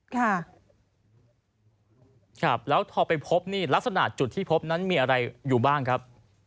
ครับแล้วพอไปพบนี่ลักษณะจุดที่พบนั้นมีอะไรอยู่บ้างครับ